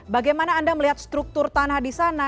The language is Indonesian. bagaimana anda melihat struktur tanah di sana